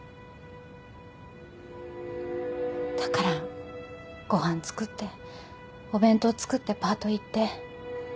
だからご飯作ってお弁当作ってパート行って。